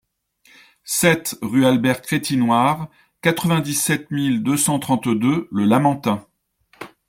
sept rue Albert Crétinoir, quatre-vingt-dix-sept mille deux cent trente-deux Le Lamentin